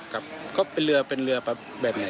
ครับก็ไปเรือเป็นเรือจะแบบเนี้ย